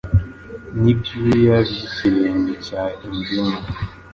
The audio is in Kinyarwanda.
Nibyuya byikirenge cya envino